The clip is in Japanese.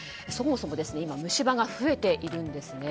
そもそも虫歯が増えているんです。